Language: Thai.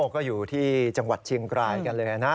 ก็อยู่ที่จังหวัดเชียงรายกันเลยนะ